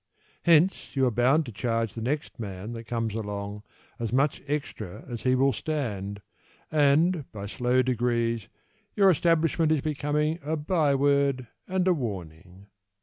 Hence You are bound to charge The next man that comes along As much extra as he will stand, And by slow degrees Your establishment Is becoming A by word And a warning.